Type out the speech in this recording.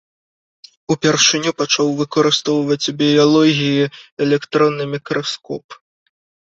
Упершыню пачаў выкарыстоўваць у біялогіі электронны мікраскоп.